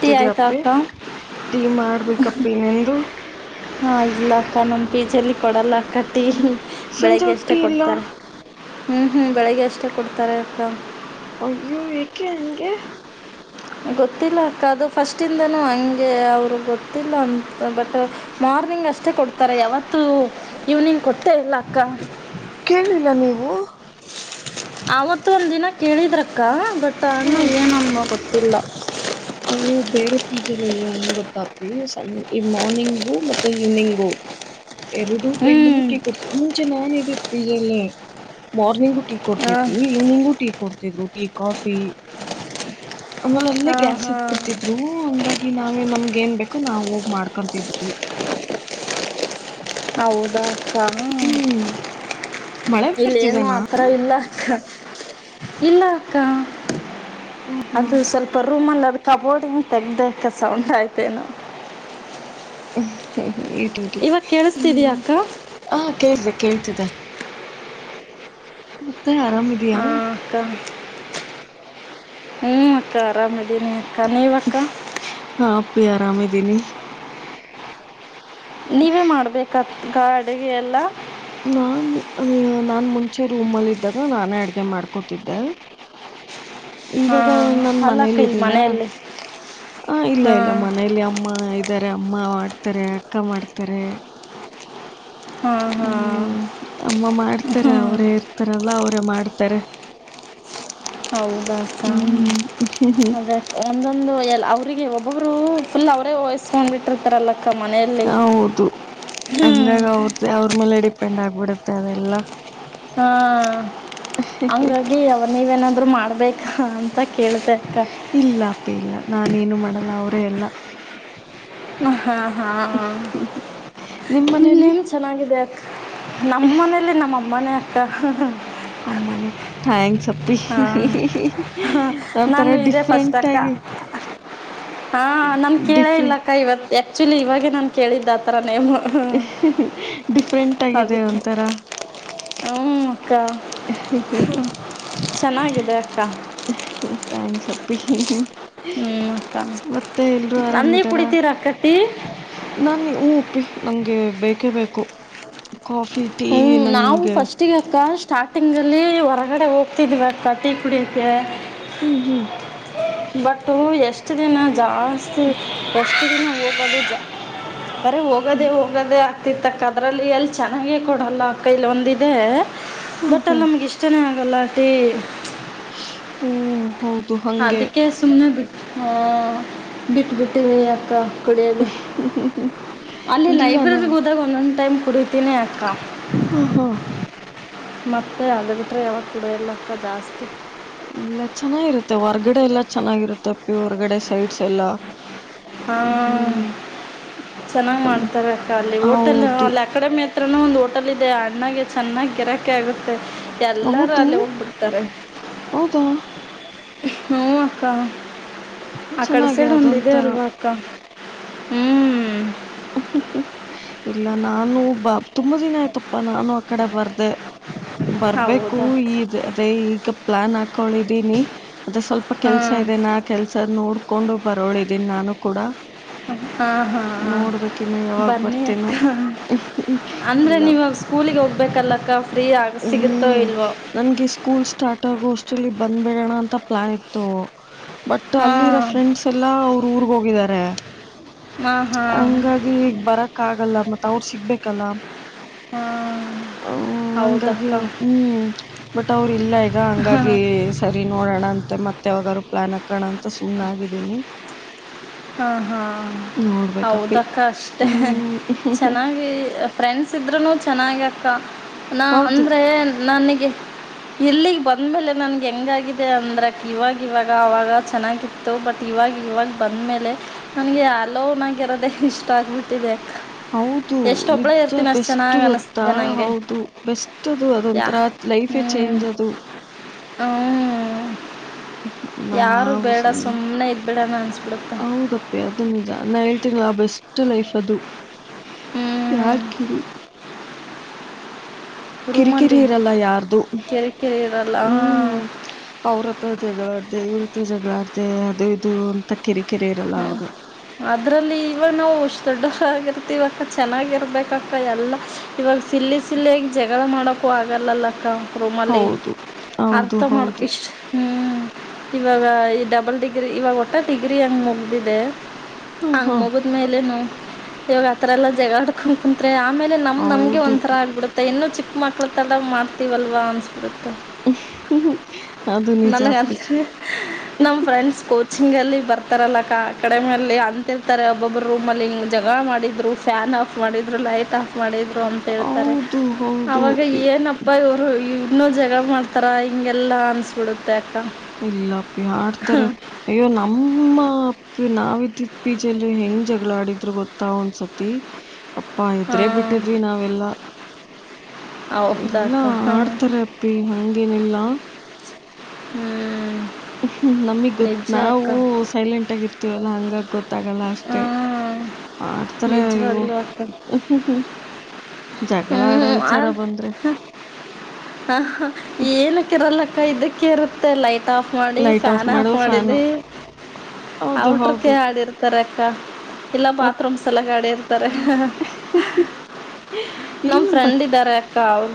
Tea ತಿದ ಆಯ್ತಾ ಅಪ್ಪಿ ಅಕ್ಕ ಟೀ ಮಾಡ್ಬೇಕಪ್ಪಿ ನಿಂದು ಹಾ ಇಲ್ಲ ಅಕ್ಕ ನಮ್ ಪಿ ಜಿ ಅಲ್ಲಿ ಕೊಡಲ್ಲ ಅಕ್ಕ ಟೀ ಸಂಜೆ ಬೆಳಿಗ್ಗೆ ಅಷ್ಟೇ ಹೊಟ್ಟಿ ಇಲ್ಲ ಕೊಡ್ತಾರೆ ಹ್ಮ್ ಹ್ಮ್ ಬೆಳಿಗ್ಗೆ ಅಷ್ಟೇ ಕೊಡ್ತಾರೆ ಅಕ್ಕ ಅಯ್ಯೋ ಏಕೆ ಹಂಗೆ ಗೊತ್ತಿಲ್ಲ ಅಕ್ಕ ಅದು ಫಸ್ಟಿಂದನೂ ಹಂಗೆ ಅವ್ರ ಗೊತ್ತಿಲ್ಲ ಅಂತ ಬಟ್ ಮಾರ್ನಿಂಗ್ ಅಷ್ಟೇ ಕೊಡ್ತಾರೆ ಯಾವತ್ತು ಈವ್ನಿಂಗ್ ಕೊಟ್ಟೆ ಇಲ್ಲ ಅಕ್ಕ ಕೇಳು ಇಲ್ಲ ನೀವು ಆವತ್ತು ಒಂದ ದಿನ ಕೇಳಿದ್ರಕ್ಕ ಬಟ್ ಅಣ್ಣ ಹ್ಮ್ ಏನು ಅನ್ನೋ ಗೊತ್ತಿಲ್ಲ ಅಯ್ಯೋ ಬೇರೆ ಪಿ ಜಿಯಲ್ಲಿ ಹೆಂಗ್ ಗೊತ್ತಾಪಿ ಸ ಈ ಮಾರ್ನಿಂಗು ಮತ್ತೆ ಈವ್ನಿಂಗು [inaudible] ಎರಡು ಹ್ಞೂ ಟೈಮ್ ಅಲ್ಲೂ ಟೀ ಕೊಡ್ತ ಮುಂಚೆ ನಾನ್ ಇದಿದ್ ಪಿ. ಜಿ ಅಲ್ಲೆ ಮಾರ್ನಿಂಗು ಟೀ ಹಾಂ ಕೊಡ್ತಿದ್ರು ಇವ್ನಿಂಗು ಟೀ ಕೊಡ್ತಿದ್ರು ಟೀ ಕಾಫಿ. ಅಲ್ಲೇ ಹಾಂ ಗ್ಯಾಸ್ ಹಾಂ ಇಟ್ಬಿಡ್ತಿದ್ರು ಹಂಗಾಗಿ ನಾವೇ ನಮ್ಗ ಏನ್ ಬೇಕೋ ನಾವವು ಹೋಗ್ ಮಾಡ್ಕೊಂತಿದ್ವಿ ಹೌದಾ ಅಕ್ಕ ಹ್ಮ್ ಮಳೆ ಇಲ್ಲೇನು ಬರ್ತಿದನಾ ಆತರ ಇಲ್ಲ ಅಕ್ಕ ಇಲ್ಲ ಅಕ್ಕ ಹ್ಮ್ ಅದು ಹ್ಮ್ ಸ್ವಲ್ಪ ರೂಮಲ್ಲಿ ಅದ ಕಾಬೋಡ್ಡಿಂಗ್ ತೆಗದಕ್ಕ ಸೌಂಡ್ ಆಯಿತೆನು ಹ್ಮ್ ಇವಾಗ ಕೇಳಸ್ತಿದಿಯ ಅಕ್ಕ ಹಾ ಕೇಳಿದೆ ಕೇಳ್ತಿದೆ ಮತ್ತೆ ಆರಾಮಿದಿಯಾ ತ್ತ ಹ್ಮ್ ಅಕ್ಕ ಆರಾಮ್ದೀನಿ ಅಕ್ಕ ನೀವ್ ಅಕ್ಕ ಹಾ ಅಪ್ಪಿ ಆರಾಮಿದ್ದೀನಿ ನೀವೇ ಮಾಡ್ಬೇಕ ಅಕ್ಕ ಡೈಲಿ ಎಲ್ಲ ನಾನು ನಾನ್ ಮುಂಚೆ ರೂಮ್ಲ್ಲಿ ಇದಿದ್ದಾಗ ನಾನೇ ಅಡಗೆ ಮಾಡ್ಕೊತಿದ್ದೆ [inaudible] ಇವಾಗ ಹಾಂ ನನ್ ಅಲ್ಲಕ್ಕ ಮನೆಲ್ ಇಲ್ಲಿ ಇದ್ದೀನ ಮನೆಯಲ್ಲಿ ಹ ಇಲ್ಲ ಇಲ್ಲ ಹಾಂ ಮನೇಲಿ ಅಮ್ಮ ಇದ್ದಾರೆ ಅಮ್ಮ ಮಾಡ್ತಾರೆ ಅಕ್ಕ ಮಾಡ್ತಾರೆ ಹಾಂ ಹಾಂ ಹ್ಮ್ ಅಮ್ಮ ಮಾಡ್ತಾರೆ ಅವರೇ ಇರ್ತಾರಲ್ಲ ಅವರೇ ಮಾಡ್ತಾರೆ ಹೌದಾ ಅಕ್ಕ ಹ್ಮ್ ಅದೆ ಒಂದೊಂದು ಎಲ್ ಅವ್ರಿಗೆ ಒಬ್ಬೊಬ್ರು ಫುಲ್ ಅವರೇ ವಹಿಸ್ಕೊಂಡ್ ಬಿಟ್ಟಿರ್ತಾರಲ್ಲ ಅಕ್ಕ ಮನೆಯಲ್ಲಿ ಹ್ಮ ಅದೇ ಅವ್ರ್ ಮೇಲೆ ಡಿಪೆಂಡ್ ಆಗ್ಬಿಡುತ್ತೆ ಅದೆಲ್ಲ ಹಾ ಅಂಗಾಗಿ ಅವ್ರ ನೀವೇನಾದ್ರು ಮಾಡ್ಬೇಕಾ ಅಂತ ಕೇಲ್ದೆ ಅಕ್ಕ ಇಲ್ಲ ಅಪ್ಪಿ ಇಲ್ಲ ನಾನೇನು ಮಾಡಲ್ಲ ಅವರೇ ಎಲ್ಲ ಹಾ ಹಾ ಹಾ ನಿಮ್ ಮನೇಲಿ ಇನ್ನೇನ್ ಚೆನ್ನಾಗಿದೆ ನಮ್ಮನೇಲಿ ನಮ್ಮ ಅಮ್ಮನೇ ಅಕ್ಕ ಅಮ್ಮನೆ ಥ್ಯಾಂಕ್ಸ್ ಅಪ್ಪಿ ಹಾಂ [unintelligible] ಒಂಥರ ಡಿಫ್ರೆಂಟ್ ಆಗಿ. ಹಾ ನನ್ ಕೇಳ ಡಿಫ್ರೆಂಟ್ ಇಲ್ಲಕ್ಕ ಇವತ್ ಆಕ್ಚುಲಿ ಇವಾಗೆ ನನ್ ಕೇಳಿದ್ದ ಆ ತರಾ ನೇಮು ಡಿಫ್ರೆಂಟ್ ಆಗಿದೆ ಅದಕ್ಕೆ. ಒಂಥರ ಹ್ಮ ಅಕ್ಕ ಚೆನ್ನಾಗಿದೆ ಅಕ್ಕಾ. ಟ್ಯಾಂಕ್ಸ್ ಅಪ್ಪಿ. ಹ್ಞೂ ಅಕ್ಕ ಮತ್ತೆ ಎಲ್ರು ಅಲ್ಲಿ ಆರಾಮಿದಾರ. ಕುಡಿತೀರಾ ಅಕ್ಕ ಟೀ ನಾನಿ ಹ್ಮ್ ಅಪ್ಪಿ ನಂಗೆ ಬೇಕೇ ಬೇಕು ಕಾಫಿ. ಟೀ ಹ್ಮ್ ನಾವು ನಂಗೆ ಫಸ್ಟ್ ಅಟ್ಟಿಗೆ ಅಕ್ಕ ಸ್ಟಾರ್ಟಿಂಗಲ್ಲಿ ಹೊರಗಡೆ ಹೋಗ್ತಿದ್ವಿ ಅಕ್ಕ ಟೀ ಕುಡಿಯಕ್ಕೆ. ಹ್ಮ್ ಹ್ಮ್. ಬಟ್ಟ ಎಷ್ಟು ದಿನ ಜಾಸ್ತಿ ಎಷ್ಟು ದಿನ ಹೋಗಲು ಜಾಸ್ ಬರೇ ಹೋಗೋದೆೇ ಹ್ಮ್ ಹೋಗೋದೆೇ ಆಗ್ತಿ ತಕ್ಕದ್ರಲ್ಲಿ ಎಲ್ಲಿ ಚೆನ್ನಾಗ ಕೊಡಲ್ಲ ಅಕ್ಕಾ ಇಲ್ಲ ಒಂದಿದೆ ಹಾ ಬಟ್ ಹಾ ಅಲ್ಲಿ ನಮ್ಗೆ ಇಷ್ಟನೇ ಆಗಲ್ಲ ಟೀ. ಹ್ಮ್. ಹೌದು ಹ್ ಅದಕ್ಕೆ ಸುಮ್ನೆ ಬಿಟ್ಟ ಹ ಬಿಟ್ಟ ಬಿಟ್ಟವಿ ಅಕ್ಕ. ಟಿ ಕುಡಿಯೋದು ಅಲ್ಲಿ ಇಲ್ಲ ಲೈಬ್ರರಿ ನಾವು ಹದಾಗ ಒಂದೊಂದ್ ಟೈಮ್ ಕುಡಿತೀನಿ ಅಕ್ಕ. ಹಾ ಹಾ. ಮತ್ತ ಅದ ಬಿಟ್ರರೆ ಯಾವಾಗ ಕುಡಿಯಲಕ್ಕ ಜಾಸ್ತಿ. ಇಲ್ಲ ಚೆನ್ನಾಗಿರುತ್ತೆ ಹೊರ್ಗಡೆ ಎಲ್ಲಾ ಚೆನ್ನಾಗಿರುತ್ತೆ ಅಪಿ ಹೊರ್ಗಡೆ ಸೈಡ್ಸ್ ಎಲ್ಲ. ಹ್ಮ. ಚೆನ್ನಾಗ್ ಹ್ಮ್, ಮಾಡ್ತಾರೆಕ್ಕ ಅಲ್ಲಿ ಓಟೆಲ್ ಹೌದು ಅಲ್ಲಿ ಅಕಾಡೆಮಿ ಹತ್ರನು ಒಂದು. [unintelligible] ಲದೆ ಅಣ್ಣಗೆ ಚೆನ್ನಾಗಿ ಗಿರಾಕೆ ಆಗುತ್ತೆ. ಎಲ್ಲರೂ ಹೌದು ಅಲ್ಲೇ ಹೋಗ್ಬಿಡ್ತಾರೆ. ಹೌದಾ ಹ್ಮ ಅಕ್ಕ ಆ ಕಡೆ ಚೆನ್ನಾಗೆ ಸೈಡ್ ಒಂದಿದೆ ಅದೊಂಥರ ಅಲ್ವಾ ಅಕ್ಕ. ಹ್ಮ್ ಇಲ್ಲ ನಾನು ಬಾ ತುಂಬಾ ದಿನ ಆಯ್ತಪ್ಪಾ ನಾನು ಆ ಕಡೆ ಬರ್ದೆ. ಬರ್ಬೇಕು ಹೌದಾ ಈ ಅದೇ ಈಗ ಪ್ಲಾನ್ ಹಾಕೊಳಿದೀನಿ ಅದೇ ಸ್ವಲ್ಪ. ಕೆಲ್ಸ ಹಾಂ ಇದೆ ನ ಆ ಕೆಲ್ಸದ ನೋಡ್ಕೊಂಡು ಬರೋಳ ಇದೀನಿ ನಾನು ಕೂಡ. ಹಾ ಹಾ ನೋಡ್ಬೇಕಿನ್ನು ಯಾವಾಗ ಬನ್ನಿ ಬರ್ತೀನೋ ಅಕ್ಕ ಅಂದ್ರೆ ಇಲ್ಲ ನೀವಾಗಸು ಕೂಲಿಗ್ ಹೋಗ್ಬೇಕಲ್ಲಕ್ಕ ಫ್ರೀ ಆಗ ಸಿಗುತ್ತೋ ಹ್ಮ್ ಇಲ್ವೋ. ನನ್ಗೆ ಸ್ಕೂಲ್ ಸ್ಟಾರ್ಟ್ ಆಗೋ ಅಷ್ಟಲ್ಲಿ ಬಂದ್ಬಿಡೋಣ ಅಂತ ಪ್ಲಾನ್ ಇತ್ತು. ಬಟ್ ಅಲ್ಲಿರೋ ಹಾಂ ಫ್ರೆಂಡ್ಸ್ ಎಲ್ಲಾ ಅವರು ಊರ್ಗ್ ಹೋಗಿದ್ದಾರೆ ಹಾಂ ಹಾಂ ಹಂಗ್ ಈಗ್ ಬರಕ ಆಗಲ್ಲ ಮತ್ತ್ ಅವ್ರು ಸಿಗ್ಬೇಕಲ್ಲ. ಹ್ಮ ಹುಂ ಹಂಗಾಗಿ ಹ್ಮ್ ಬಟ್ ಅವ್ರು ಇಲ್ಲ ಈಗ ಹಂಗಾಗಿ. ಸರಿ ನೋಡೋಣ ಅಂತೆ ಮತ್ತೆ ಯವಾಗರು ಪ್ಲಾನ್ ಹಾಕಣ ಅಂತ ಸುಮ್ನಾಗಿದೀನಿ. ಹಾ ಹಾ ನೋಡ್ಬೇಕಪ್ಪಿ ಹೌದಕ್ಕ ಅಷ್ಟೆ ಹ್ಮ್ ಚೆನ್ನಾಗಿ ಫ್ರೆಂಡ್ಸ್ ಇದ್ರೂ ಚೆನ್ನಾಗ ಅಕ್ಕ ನಾ ಹೌದು ಅಂದ್ರೆ ನನಗೆ ಇಲ್ಲಿಗ್ ಬಂದ್ಮೇಲೆ ನನ್ಗೆ ಹೆಂಗಾಗಿದೆ ಅಂದ್ರ ಇವಾಗ ಇವಾಗ ಅವಾಗ ಚೆನ್ನಾಗಿತ್ತು ಇತ್ತು ಬಟ್ ಇವಾಗ ಇವಾಗ ಬಂದ್ಮೇಲೆ ನನ್ಗೆ ಅಲೋ ನಾಗ ಇರೋದೆೇ ಇಷ್ಟ ಆಗ್ಬಿಟ್ಟಿದೆ ಹೌದು ನಿಜ ಬೆಸ್ಟ್ ಚೆನ್ನಾಗಿ ಗೊತ್ತಾ ಅನ್ನಿಸ್ತಿದೆ ನನಗೆ ಹೌದು ಬೆಸ್ಟ್ ಅದು ಅದೊಂಂತರ ಲೈಫ್ೇ ಚೇಂಜ್ ಅದು ಹ್ಮ ಯಾರು ನಾವು ಬೇಡ ಸುಮ್ನೆ ಸುಮ್ಮ್ನೆ ಇದ್ಬೇಡಾನ ಅನ್ಸ್ಬಿಡುತ್ತೆ. ಹೌದಪ್ಪೆ ಅದು ನಿಜಾ ನಾ ಹೇಳ್ತೀಲ್ವಾ ಬೆಸ್ಟ್ ಲೈಫ್ ಅದು ಯಾರ್ ಹ್ಞೂ ಕಿರಿ. ಕಿರಿಕಿರಿ ರೂಮಲ್ಲಿ ಇರಲ್ಲ ಯಾರ್ದು ಕಿರಿಕಿರಿ ಇರಲ್ಲ ಹಾಂ ಹ್ಮ್ಮ್. ಅವ್ರ ಹತ್ರ ಜಗಳಾಡ್ದೆ ಇವ್ರ ಹತ್ರ ಜಗಳಾಡ್ದೆ ಅದು ಇದು. ಕಿರಿ ಕಿರಿ ಇರಲ್ಲ ಅವಾಗ. ಅದ್ರಲ್ಲಿ ಈವ ನಾವುಷ್ಟ ದೊಡ್ಡಗರ್ತಿವಕ್ಕ ಚೆನ್ನಾಗಿರ್ಬೇಕಕ್ಕ ಎಲ್ಲಾ ಇವಾಗ ಸಿಲ್ಲಿ ಸಿಲ್ಲಿಯಾಗಿ ಜಗಳ ಮಾಡಕು ಆಗಲ್ಲಲ್ಲಕ್ಕ. ರೂಮಲ್ಲಿ ಹೌದು ಹೌದು ಅರ್ಥ ಮಾಡಕ ಹೌದು ಇಷ್ಟು ಹ್ಮ್ ಇವಾಗ ಈ ಡಬಲ್ ಡಿಗ್ರಿ ಇವಾಗ ಒಟ್ಟ ಡಿಗ್ರಿ ಹಂಗ ಮುಗ್ದಿದೆ ಹಾ ಹಾ ಅಂಗಮಬದ ಮೇಲೆನು ಇವೋಗ ಯತ್ರಲ್ಲ ಜಗಡ್ತ ಕ ಕುತ್ೆ ಆಮೇಲೆ ನಮ್ ನಮಗೆ ಹೌದು ಒಂಥರ ಆಗ್ಬಿಡೆ ಮ ಇನ್ನು ಚಿಕ್ಕ ಮಕ್ಳ ತಲ್ಲ ಮಾಡ್ತೀವಲ್ವಾ ಅನ್ಸ್ಬಿಡುತ್ತೆ [inaudible] ನನ್ಗ ಅಪ್ಪಿ ಅಂತ್ ರ್ರೀ ನಮ ಫ್ರೆಂಡ್ಸ್ ಕೂ ಚಿಂಗ್ ಅಲ್ಲಿ ಬರ್ತಾರಲ್ಲಕ್ಕ ಕಡಿಮಲ್ಲಿ ಅಂತಿರ್ತಾರೆ ಒಬ್ಬೊಬ್ರು ರೂಮಲ್ಲಿ ಹಿಂಗ್ ಜಗಳ ಮಾಡಿದ್ರು ಫ್ಯಾನ್ಆಫ್ ಆಫ್ ಮಾಡಿದ್ರು ಲೈಟ್ ಆಫ್ ಮಾಡಿದ್ರು ಅಂತ ಹೇಳ್ತಾರೆ ಹೌದು ಅವಾಗ ಹೌದು ಏನಪ್ ಅಪ್ಪ ಇವರು ಇನ್ನೊ ಜಗಳ ಮಾಡ್ತಾರ ಹಿಂಗೆಲ್ಲಾ ಅನ್ಸ್ಬಿಡು ಇಲ್ಲಪ್ಪಿ ಆಡ್ತಾರೆ. ಅಯ್ಯೋ ನಮ್ಮ ಅಪ್ಪಿ ನಾವಿದಿದ್ ಪಿ ಜಿ ಅಲ್ಲಿ ಹೆಂಗ್ ಜಗಳ ಆಡಿದ್ರು ಗೊತ್ತ ಒಂದ್ಸತಿ. ಅಪ್ಪಾ ಹೆದ್ರೆ ಹಾಂ ಬಿಟ್ಟಿದ್ವಿ ನಾವೆಲ್ಲಾ. ಹೌದಾ ಇಲ್ಲಾ ಅಕ್ಕ ಹಾಂ ಆಡ್ತಾರೆ ಅಪ್ಪಿ ಹಂಗೇನಿಲ್ಲ. ಹ್ಮ್. ಹ ನಮಿಗ್ ಗೊತ್ ನಾವು ಅಕ್ಕ ಸೈಲೆಂಟ್ ಆಗಿರ್ತೀವಲ್ಲ ಹಂಗಾಗ್ ಗೊತ್ತಾಗಲ್ಲ. ಅಷ್ಟೇ ಹಾಂ ಮಾಡ್ತರೆ ಅಯ್ಯೋ. ನಿಜವಾಗ್ಲೂ ಅಕ್ಕ ಹ್ಮ ಹ್ಮ ಹ್ಮ ಜಗಳ ಹ್ಞೂ ಆಡೋ ವಿಚಾರ ಬಂದ್ರೆ. ಹ ಹ ಏನುಕ್ಕಿರಲಕ್ಕ ಇದಕ್ಕೆ ಇರುತ್ತೆ ಲೈಟ್ ಆಫ್ ಮಾಡಿ ಲೈಟ್ ಫ್ಯಾನ್ ಆಫ್ ಮಾಡು ಫ್ಯಾನು ಮಾಡಿದಿ ಹೌದು ಔಟ್ರಕೆ ಹೌದು ಆಡಿರ್ ತಾರೇ ಅಕ್ಕ ಇಲ್ಲ ಬಾತ್ರೂಮ್ಸ್ ಸಲುವಾಗಿ ಆಡಿರ್ತಾರೆ. [inaudible] ನಮ್ ಫ್ರೆಂಡ್ ಇದ್ದಾರೆ ಅಕ್ಕ ಅವರ್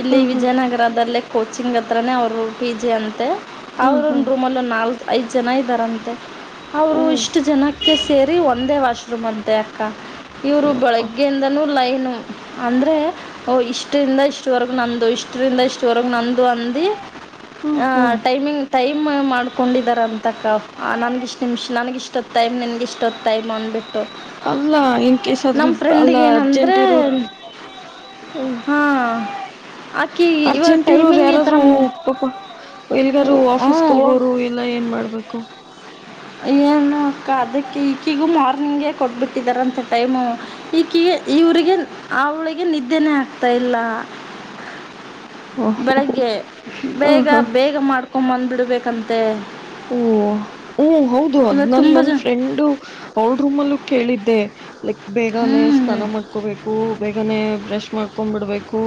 ಇಲ್ಲಿ ಹ ಹಾ ವಿಜಯನಗರದಲ್ಲೆ. ಕೋಚಿಂಗ್ ಹತ್ರನೆ ಅವರು ಪಿ ಜೆ ಅಂತೆ ಹ ಹಾ ಅವರೋಂದು ರೂಮಲ್ಲ ಒಂದು ನಾಲ್ ಐದು ಜನ ಇದ್ದಾರಂತೆ. ಓ ಅವರು ಇಷ್ಟು ಜನಕ್ಕೆ ಸೇರಿ ಒಂದೇ ವಾಶ್ರೂಮ್ ಅಂತೆೆ ಅಕ್ಕ ಇವರು ಅಯ್ಯಪ್ಪ ಬೆಳಗ್ಗೆಯಿಂದನೂ ಲೈನು ಅಂದ್ರೆ ಓಹ ಇಷ್ಟರಿಂದ ಇಷ್ಟವರೆಗ ನಂದು ಇಷ್ಟರಿಂದ ಇಷ್ಟವರೆಗ ನಂದು ಅಂದ ಹ್ಮ್ ಹ ಹ್ಮ್ ಟೈಮಿಂಗ್ ಟೈಮ್ ಮಾಡ್ಕೊಂಡಿದ್ದಾರೆ ಅಂತಕ ನನಗಿಷ್ಟು ನಿಮಿಷ ನನಗ ಇಷ್ಟೊತ್ತು ಟೈಮ್ ನನ್ಗೆ ಇಷ್ಟೊತ್ತು ಟೈಮ್ ಅನ್ಬಟ್ಟು ಅಲ್ಲ ಇನ್ ಕೇಸ್ ಅದ್ರಲ್ ಅಲ್ಲ ಫ್ರೆಂಡಿಗೆ ಅರ್ಜೆಂಟ್ ಏನಂದರೆ ಇರೋರು ಹ್ಮ ಹಾ ಆಕಿ ಇವಾಗ ಅರ್ಜೆಂಟ್ ಇರೋರು ಟೈಮಿಂಗ್ ಈ ಥರ ಯಾರಾದ್ರರು ಹ್ಞೂ ಪಾಪ ಎಲ್ಗಾರು ಆಫೀಸ್ಗೆ ಹೋಗಿ ಹೋಗೋರು ಎಲ್ಲ ಏನ್ ಮಾಡ್ಬೇಕು ಏನು ಅಕ್ಕ ಅದಕ್ಕೆ ಈಕಿಗೂ ಮಾರ್ನಿಂಗೇ ಕೊಟ್ಬಿಟ್ಟಿದಾರಂಥ ಟೈಮು ಈಕಿಗೆ ಇವ್ರಿಗೆ ಅವಳಿಗೆ ನಿದ್ದೆನೆೇ ಆಗ್ತಾ ಇಲ್ಲ ಹ ಬೆಳಗ್ಗೆ ಹ ಬೇಗ ಹಾ ಬೇಗ ಮಾಡ್ಕೊಂಡು ಬಂದ್ಬಿಡಬೇಕಂತೆ ಓ ಹೂ ಹೌದು ಅದ್ ಇವತ್ತು ನನ್ ತುಂಬ ನನ್ ಜನ ಫ್ರೆಂಡು ಅವಳ ರೂಮ್ಲ್ಲೂ ಕೇಳಿದ್ದೆ ಲೈಕ್ ಹ್ಞೂ ಬೇಗನೆ ಸ್ನಾನ ಮಾಡ್ಕೋಬೇಕು ಬೇಗನೆ ಬ್ರಷ್ ಮಾಡ್ಕೊಂಡ್ ಬಿಡಬೇಕು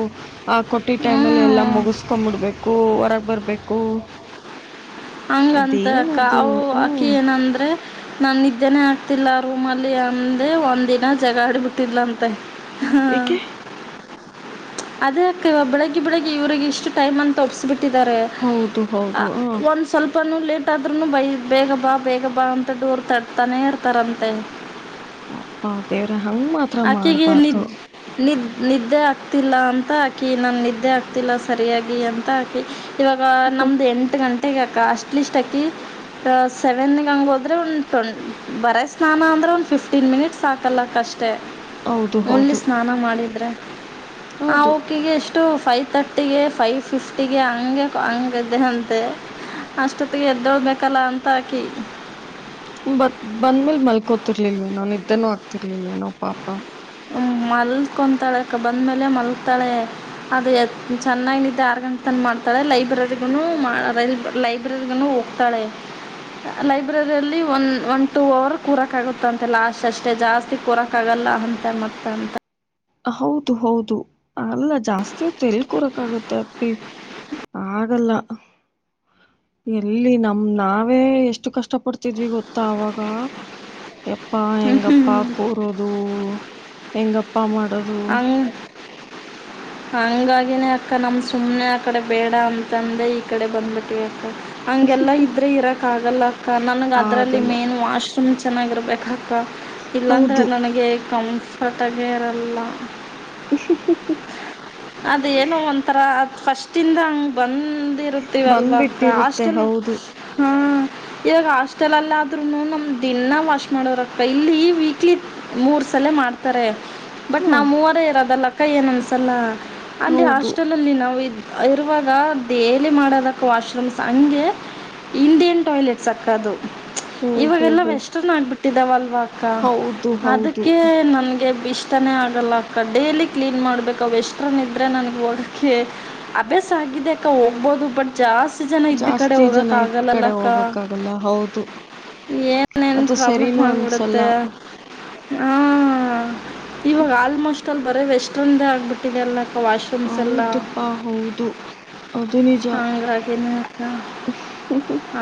ಆ ಕೊಟ್ಟಿ ಟೈಮಲ್ಲಿ ಹ್ಞೂ ಎಲ್ಲ ಮುಗಿಸ್ಕೊಂಡ್ಂಬಿಡ್ಬೇಕು ಹೊರಗೆ ಬರಬೇಕು ಹಂಗಂತ ಅಕ್ಕ ಅವು ಅಕ್ಕಿ ಹ್ಮ್ ಏನಂದ್ರೆ ನಂಗೆ ನಿದ್ದೆನೇ ಆಗ್ತಿಲ್ಲ ಆ ರೂಮ್ ಅಲ್ಲಿ ಅಂದೆ ಒಂದಿನ ಜಗಳ ಮಾಡಿಬಿಟ್ಟಿದರಂತೆ. ಹ್ಮ್ ಏಕೆ ಅದೇ ಅಕ್ಕ ಬೆಳಿಗ್ಗೆ ಬೆಳಿಗ್ಗೆ ಇವ್ರ ಇಷ್ಟು ಟೈಮ್ ಅಂತ ಒಪ್ಸ್ಬಿಟ್ಟು ಬಿಟ್ಟಿದ್ದಾರೆ ಹೌದು ಆ ಹೌದು ಹ ಒಂದು ಸ್ವಲ್ಪನೂ ಲೇಟ ಆದ್ರೂ ಬೈ ಬೇಗ ಬಾ ಬೇಗ ಬಾ ಅಂತ ಡೂರು ತಡ್ತಾನೇ ಇರ್ತಾರಂತೆ ಪಾಪ್ಪ ದೇವ್ರ ಹಂಗ ಮಾ ಆಕೆಗ ಹೆ ನೀದೆ ನಿದೆ ನಿದ್ದೆ ಆಗ್ತಿಲ್ಲ ಅಂತ ಹಾಕಿ ನಾನ ನಿದ್ದೆ ಆಗ್ತಿಲ್ಲ ಸರಿಯಾಗಿ ಅಂತ ಹಾಕಿ ಇವಾಗ ನಮ್ದು ಎಂಟು ಗಂಟೆಗೆ ಅಕ್ಕಾ ಅಸ್ಟ್ ಲಿಸ್ಟ್ ಅಕಿ ಸೆವೆನ್ ಹಂಗ ಹೋದ್ರೆ ಒಂದು ಬರೆ ಸ್ನಾನ ಅಂದ್ರೆ ಒಂದ ಫಿಫ್ಟೀನ್ ಮಿನಿಟ್ಸ್ ಸಕಲಕ್ಕಾ ಅಷ್ಟೆ ಅಷ್ಟ ಹೌದು ಓನ್ಲಿ ಹೌದು ಸ್ನಾನ ಮಾಡಿದ್ರೆ ಆ ಹೌದು ಕಿಗೆ ಎಷ್ಟು ಟು ಪೈ ತರ್ಟಿಗೆ ಫೈ್ ಫಿಫ್ಟಿಗೆ ಹಂಗೆ ಹಂಗ್ದೆ ಅಂತೆ ಅಷ್ಟೊತ್ತಿಗೆ ಎದ್ದೋಗಬೇಕಲ್ಲ ಅಂತ ಅಕ್ಕಿ ಬಂದ ಬಂದ್ಮೇಲೆ ಮಲ್ಕೋತಿರ್ಲಿಲ್ವೇನೋ ನಿದ್ದೆನೂ ಆಗ್ತಿರ್ಲಿಲ್ವೇನೋ ಪಾಪ ಮಲ್ಕೊತಾಳಕ್ಕ ಬಂದ್ಮೇಲೆ ಮಲಗ್ತಾಳೆ ಅದು ಚೆನ್ನಾಗಿ ನಿದ್ದೆ ಆರು ಘಂಟೆತನ ಮಾಡ್ತಾಳೆ ಲೈಬ್ರರಿಗೈ ಲೈಬ್ರರಿಗೂ ಹೋಗ್ತಾಳೆ ಲೈಬ್ರರಿಯಲ್ಲಿ ಒನ್ ಒನ್ ಟೂ ಅವರ್ ಕೂರಕ ಆಗುತ್ತಂತೆ ಲಾಸ್ ಅಷ್ಟೇ ಜಾಸ್ತಿ ಜಾಸ್ತಿ ಕೂರಕ್ಕೆ ಆಗಲ್ಲ ಅಂತ ಮತ್ತ ಅ ಹೌದು ಹೌದು ಅಲ್ಲ ಜಾಸ್ತಿ ಹೊತ್ತು ಎಲ್ಲಿ ಕೂರಕ್ಕೆ ಆಗುತ್ತೆ ಅಪ್ಪಿ ಆಗಲ್ಲ ಎಲ್ಲಿ ನಮ ನಾವೇ ಎಷ್ಟು ಕಷ್ಟ ಪಡ್ತಿದ್ವಿ ಗೊತ್ತ ಆವಾಗ ಯಪ್ಪಾ ಹೆಂಗಪ್ಪ ಕೂರೋದು ಹೆಂಗಪ್ಪ ಮಾಡೋದು ಅಂಗ ಹಂಗಾಗಿನೇ ಅಕ್ಕ ನಮ್ ಸುಮ್ನೆ ಆಕಡೆ ಬೇಡ ಅಂತಂದೆ ಈ ಕಡೆ ಬಂದ್ಬಿಟ್ವಿ ಅಕ್ಕ ಹಂಗೆಲ್ಲಾ ಇದ್ರೆ ಇರಕ್ ಆಗಲ್ಲ ಅಕ್ಕ ನನ್ಗೆ ಅದ್ರಲ್ಲಿ ಆಗಲ್ಲ ಮೇನ್ ವಾಶ್ರೂಮ್ ಚೆನ್ನಾಗಿರ್ಬೇಕು ಅಕ್ಕ ಇಲ್ಲಾಂದ್ರೆ ಹೌದು ನನಗೆ ಕಂಫರ್ಟ್ ಆಗಿ ಇರಲ್ಲ ಹು ಹು ಹು..... ಅದು ಏನೋ ಒಂಥರ ಅದು ಫಸ್ಟಿಂದ ಹಂಗೆ ಬಂದು ಎಲ್ಲರೂ ಇರುತ್ತೇವೆ ಅಲ್ವಾ ಅಕ್ಕ ಬಂದ್ಬಿಟ್ಟಿರುತ್ತೆ ಹಸ್ಟೆಲ್ ಹೌದು ಹ್ಮ ಇವಾಗ ಹಾಸ್ಟೆಲ್ಲ್ಲ ಆದ್ರೂನು ನಮ ದಿನ ವಾಶ್ ಮಾಡೋರಕ್ಕ ಇಲ್ಲಿ ವೀಕ್ಲಿ ಮೂರ್ ಸಲ ಮಾಡ್ತಾರೆ ಬಟ್ ಹಾ ನಾ್ ಮೂವರ ಇರೋದಲ್ಲಕ್ಕ ಏನ್ ಅನ್ಸಲ್ಲ ಅಲ್ಲಿ ಹೌದು ಹಾಸ್ಟೆಲ್ ಅಲ್ಲಿ ನಾವು ಇರುವಾಗ ದೆಲಿ ಮಾಡೋದಕ ವಾಶ್ರೂಮ್ಸ್ ಹಂಗೆ ಇಂಡಿಯನ್ ಟಾಯ್ಲೆಟ್ ಸಕದು ಓ ಹೋ ಇವಾಗೆಲ್ಲ ಹೋ ವೆಸ್ಟರ್ನ್ ಆಗ್ಬಿಟ್ಟಿದಾವ ಅಲ್ವಾ ಅಕ್ಕ? ಹೌದು ಹೌದು ಅದಕ್ಕೆ ನನ್ಗೆ ಇಷ್ಟಾನೇ ಆಗಲ್ಲ ಅಕ್ಕ ಡೇಲಿ ಕ್ಲೀನ್ ಮಾಡ್ಬೇಕ ಅವ ಎಷ್ಟು ಹತ್ರನಿದ್ರೆ ನನಗೆ ಓದೋಕ್ಕೆ ಅಭ್ಯಾಸ ಆಗಿದೆ ಅಕ್ಕ ಹೋಗ್ಬೋದು ಬಟ್ ಜಾಸ್ತಿ.. ಎಷ್ಟು ಜನ ಇದ್ದ್ ಕಡೆ ಜಾಸ್ತಿ ಜನ ಹೋಗಕ್ ಇದ್ ಆಗಲ್ಲಲ್ಲ ಕಡೆ ಅಕ್ಕ ಹೋಗಕ್ಕಾಗಲ್ಲ ಹೌದು ಏನ ಏನ್ ಅದು ಪ್ರಾಬ್ಲಮ್ ಸರಿನೂ ಅನ್ಸಲ್ಲ ಆಗ್ಬಿಡುತ್ತೆ. ಹ ಇವಾಗ ಆಲ್ಮೋಸ್ಟ್ ಅಲ್ಲಿ ಬರ ವೆಸ್ಟ್ರನ್ದೇ ಆಗ್ಬಿಟ್ಟ ಇದ್ದಿಲ್ಲ ಅಕ್ಕ ವಾಶ ಹೌದಪ್ಪ ಹೌದು ಅದು ನಿಜ ಅಂಗಾಗಿನ ಅಕ್ಕಾ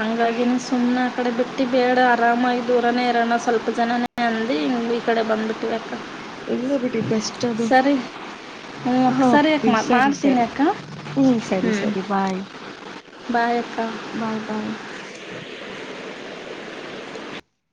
ಅಂಗಾಗಿನ ಸುಮ್ಮ್ನೆ ಸುಮ್ನೆ ಆ ಕಡೆ ಬಿಟ್ಟ ಬೇಡ ಆರಾಮಾಗಿ ದೂರನೇ ಇರೋಣ ಸ್ವಲ್ಪ ಜನಾನೆ ಅಂದಿ? ಈ ಕಡೆ ಬಂದುಟ್ಟವಿ ಯಾಕ್ ಇಲ್ಲ ಬಿಡಿ ಬೆಸ್ಟ್ ಅದು ಹ್ಞೂ ಅಕ್ಕ ಹಾ ಸರಿ ಅಪ್ಪಿ ಅಕ್ಕ ಸರಿ ಮಾಡ್ತೀನಿ ಸರಿ ಅಕ್ಕ ಹ್ಮ್ ಸರಿ ಸರಿ ಬಾಯ್ ಬಾಯ ಅಕ್ಕಾ. ಬಾಯ್ ಬಾಯ್